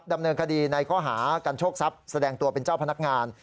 ดำเนินคดีในข้อหากันโชคทรัพย์แสดงตัวเป็นเจ้าพนักงาน